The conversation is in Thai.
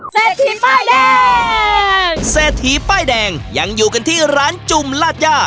เซตถีใต้แดงเซตถีป้ายแดงยังอยู่กันที่ร้านจุมรัดยา